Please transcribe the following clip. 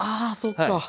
あそうか。